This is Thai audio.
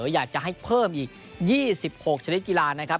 อยากจะให้เพิ่มอีก๒๖ชนิดกีฬานะครับ